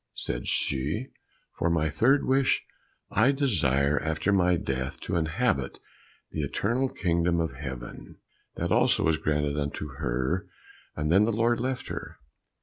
Said she, "For my third wish, I desire, after my death, to inhabit the eternal kingdom of Heaven." That also was granted unto her, and then the Lord left her.